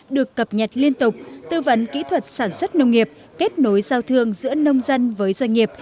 được cập nhật liên tục tư vấn kỹ thuật sản xuất nông nghiệp kết nối giao thương giữa nông dân với doanh nghiệp